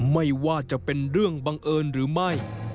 ไม่ว่าจะเป็นเรื่องบังเอิญหรือไม่